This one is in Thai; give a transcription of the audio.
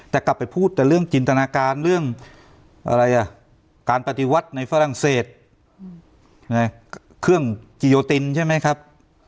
แต่กลับไปพูดแต่เรื่องจินตนาการเรื่องอะไรอ่ะการปฏิวัติในฝรั่งเศสเครื่องกิโยตินใช่ไหมครับ